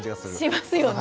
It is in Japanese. しますよね。